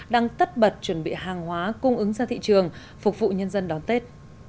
đang tất bật chuẩn bị hàng hóa cung ứng ra thị trường phục vụ nhân dân đón tết